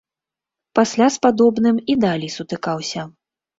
Пасля з падобным і далей сутыкаўся.